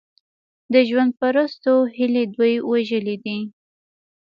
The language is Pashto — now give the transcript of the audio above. د ژوند پرستو هیلې دوی وژلي دي.